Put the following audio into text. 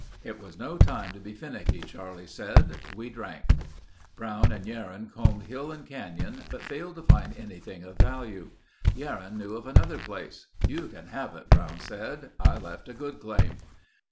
"It was no time to be finicky," Charlie said. "We drank." Brown and Yerrin combed hill and canyon but failed to find anything of value. Yerrin knew of another place. "You can have it," Brown said. "I left a good claim."